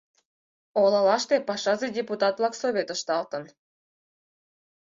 Олалаште Пашазе Депутат-влак Совет ышталтын.